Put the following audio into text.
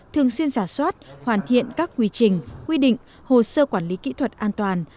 thường xuyên giả soát hoàn thiện các quy trình quy định hồ sơ quản lý kỹ thuật an toàn